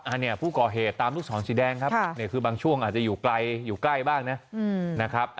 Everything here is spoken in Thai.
อันนี้ผู้ก่อเหตุตามรุ่นสอนชีวิตแดงครับคือบางช่วงอาจจะอยู่ใกล้บ้างนะครับ